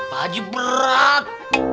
pak haji berat